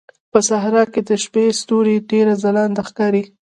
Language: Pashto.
په صحراء کې د شپې ستوري ډېر ځلانده ښکاري.